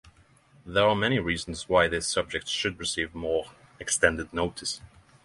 There are many reasons why this subject should receive more extended notice.